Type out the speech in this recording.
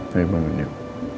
saya bangun yuk